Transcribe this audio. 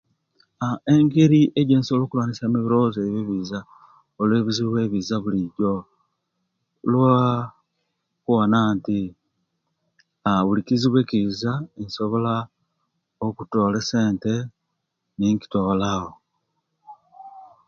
Aah engeri ejesobola okulwanisyamu ebilowozo ebyo ebiza olwebizibu ebiza buli jjo lwakubona nti aah buli kizibu ekiza nsobola okutoola esente nikotoolawo.